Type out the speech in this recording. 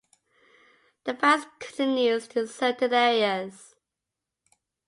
The past continues in certain areas.